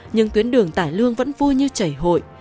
nhưng tuyến đường tải lương vẫn vui như chảy hội